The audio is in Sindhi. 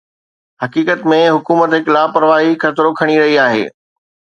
حقيقت ۾، حڪومت هڪ لاپرواهي خطرو کڻي رهي آهي